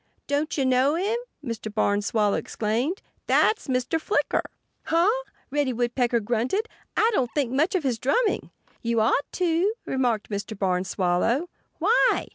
"Don't you know him?" Mr. Barn Swallow exclaimed. "That's Mr. Flicker." "Huh!" Reddy Woodpecker grunted. "I don't think much of his drumming." "You ought to," remarked Mr. Barn Swallow. "Why?"